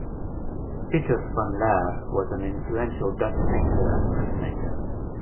Pieter van Laer was an influential Dutch painter and printmaker.